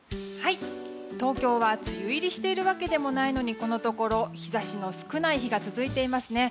東京は梅雨入りしているわけでもないのにこのところ、日差しの少ない日が続いていますね。